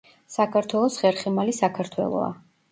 საქართველოს ხერხემალი საქართველოა.